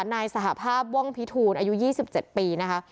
นายสหภาพว่องพิทูลอายุ๒๗ปีนะคะ